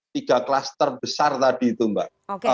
tiga klaster besar tadi itu mbak